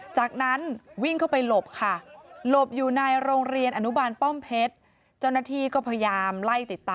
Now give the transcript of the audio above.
จากนั้นวิ่งเข้าไปหลบค่ะหลบอยู่ในโรงเรียนอนุบาลป้อมเพชร